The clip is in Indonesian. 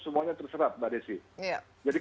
semuanya terserap mbak desi jadi